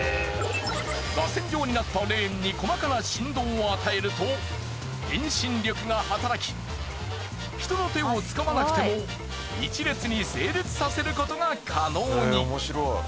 らせん状になったレーンに細かな振動を与えると遠心力が働き人の手を使わなくても１列に整列させることが可能に。